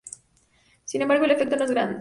Sin embargo, el efecto no es grande.